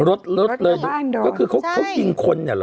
รถรถเลยก็คือเขายิงคนเนี่ยเหรอ